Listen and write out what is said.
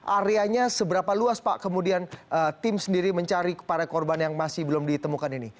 areanya seberapa luas pak kemudian tim sendiri mencari para korban yang masih belum ditemukan ini